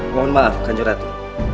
mohon maaf kajang ratu